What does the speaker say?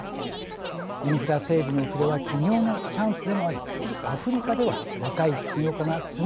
インフラ整備の遅れは起業のチャンスでもありアフリカでは若い起業家が次々と生まれています。